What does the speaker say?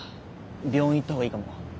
病院行ったほうがいいかも。